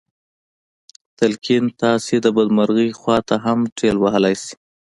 تلقين تاسې د بدمرغۍ خواته هم ټېل وهلی شي.